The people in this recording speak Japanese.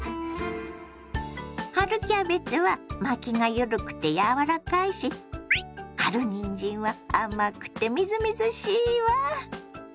春キャベツは巻きが緩くて柔らかいし春にんじんは甘くてみずみずしいわ。